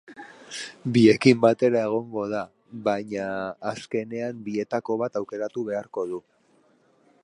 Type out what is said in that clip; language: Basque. Biekin batera egongo da, baina, azkenean bietako bat aukeratu beharko du.